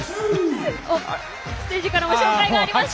ステージからも紹介がありました。